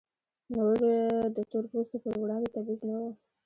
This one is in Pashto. نور د تور پوستو پر وړاندې تبعیض نه و.